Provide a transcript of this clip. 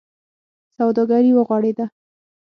سوداګري و غوړېده.